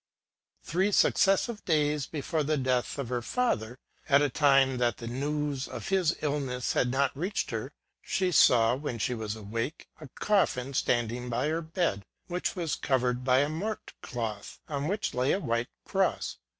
Three successive days before the death of her father, at a time that the news of his illness had not reached her, she saw, when she was awake, a coffin standing by her bed, which was covered by a mort cloth, on which lay a white cross.